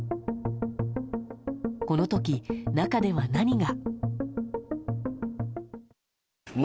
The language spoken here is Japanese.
この時、中では何が？